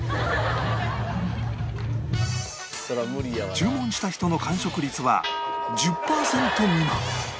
注文した人の完食率は１０パーセント未満